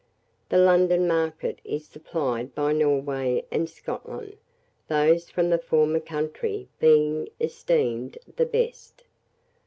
The London market is supplied by Norway and Scotland; those from the former country being esteemed the best.